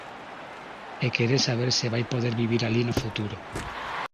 E quere saber se vai poder vivir alí no futuro.